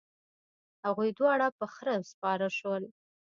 هغوی دواړه په خره سپاره شول.